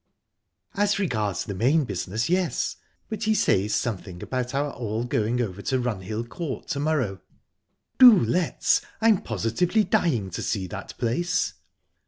"As regards the main business yes. But he says something about our all going over to Runhill Court to morrow..." "Do let's! I'm positively dying to see that place."